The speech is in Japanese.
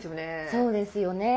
そうですよね。